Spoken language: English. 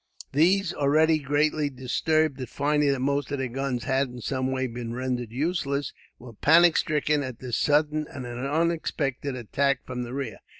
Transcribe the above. These, already greatly disturbed at finding that most of their guns had, in some way, been rendered useless; were panic stricken at this sudden and unexpected attack from the rear.